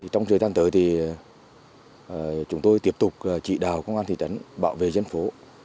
trong thời gian tới thì chúng tôi tiếp tục trị đào công an thị trấn bảo vệ dân phố